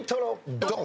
ドン！